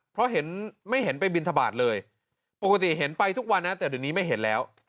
เพราะเห็นไม่เห็นไปบินทบาทเลยปกติเห็นไปทุกวันนะแต่เดี๋ยวนี้ไม่เห็นแล้ว